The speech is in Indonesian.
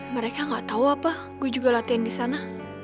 mereka gak tahu apa gue juga latihan di sana